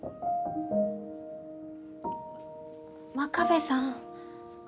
真壁さん。